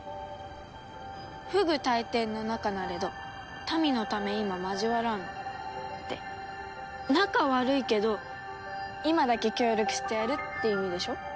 「不倶戴天の仲なれど民のため今交わらん」って仲悪いけど今だけ協力してやるって意味でしょ？